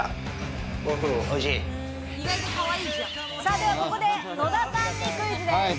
ではここで野田さんにクイズです。